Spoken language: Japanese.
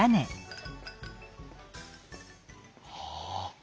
はあ。